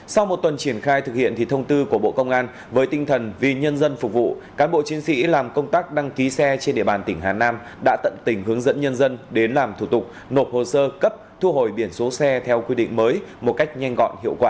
sau một tuần triển khai thực hiện thông tư của bộ công an với tinh thần vì nhân dân phục vụ cán bộ chiến sĩ làm công tác đăng ký xe trên địa bàn tỉnh hà nam đã tận tình hướng dẫn nhân dân đến làm thủ tục nộp hồ sơ cấp thu hồi biển số xe theo quy định mới một cách nhanh gọn hiệu quả